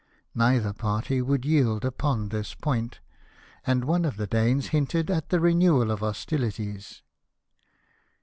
Neither party would 248 LIFE OF NELSON. yield upon this point ; and one of the Danes hinted at the renewal of hostilities.